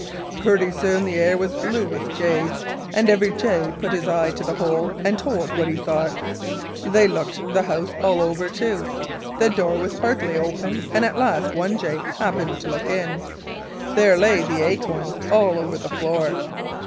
"Pretty soon the air was blue with jays, and every jay put his eye to the hole and told what he thought. They looked the house all over, too. The door was partly open, and at last one old jay happened to look in. There lay the acorns all over the floor.